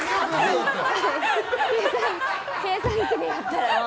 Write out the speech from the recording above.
計算機でやったら。